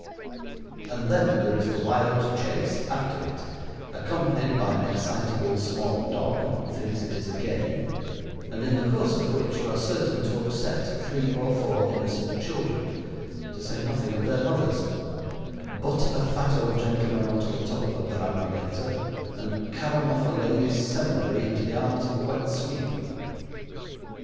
And then there is the wild chase after it, accompanied by an excitable small dog, who thinks it is a game, and in the course of which you are certain to upset three or four innocent children to say nothing of their mothers butt a fat old gentleman on to the top of a perambulator, and carom off a ladies' seminary into the arms of a wet sweep.